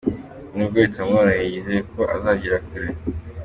N'ubwo bitamworoheye yizeye ko azagera kure.